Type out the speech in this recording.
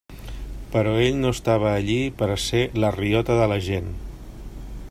Però ell no estava allí per a ser la riota de la gent.